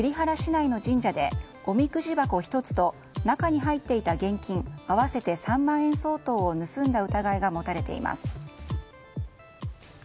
栗原市内の神社でおみくじ箱１つと中に入っていた現金合わせて３万円相当を盗んだ疑いが持たれています。